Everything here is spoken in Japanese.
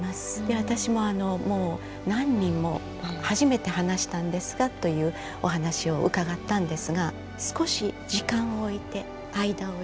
私ももう何人も初めて話したんですがというお話を伺ったんですが少し時間を置いて間を置いて。